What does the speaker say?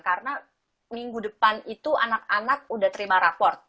karena minggu depan itu anak anak udah terima raport